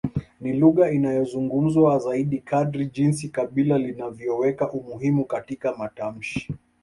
Ni lugha inayozungumzwa zaidi kadri jinsi kabila linavyoweka umuhimu katika matamshi